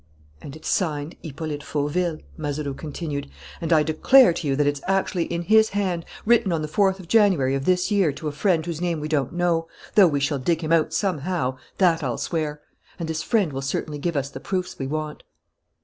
"And it's signed Hippolyte Fauville," Mazeroux continued, "and I declare to you that it's actually in his hand ... written on the fourth of January of this year to a friend whose name we don't know, though we shall dig him out somehow, that I'll swear. And this friend will certainly give us the proofs we want."